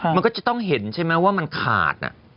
มันก็จะต้องเห็นใช่ไหมว่ามันขาด